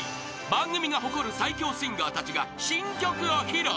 番組が誇る最強シンガーたちが新曲を披露］